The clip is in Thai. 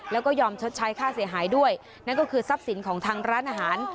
แล้วก็ยอมชดใช้ค่าเสียหายด้วยนั่นก็คือทรัพย์สินของทางร้านอาหาร